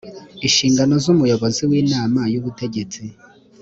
inshingano z umuyobozi w inama y ubutegetsi